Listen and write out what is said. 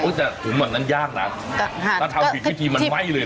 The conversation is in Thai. อุ้ยแต่หุงเหมือนนั้นยากนะถ้าทำผิดพิธีมันไหวเลยนะ